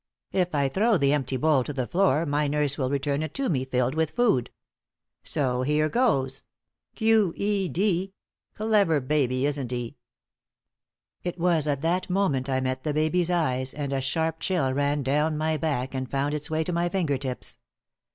If I throw the empty bowl to the floor, my nurse will return it to me filled with food. So here goes! Q.E.D.' Clever baby, isn't he?" It was at that moment I met the baby's eyes, and a sharp chill ran down my back and found its way to my finger tips.